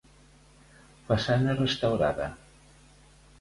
Façana restaurada.